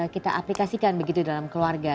kita aplikasikan begitu dalam keluarga